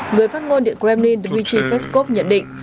người phát ngôn điện kremlin dmitry veskov nhận định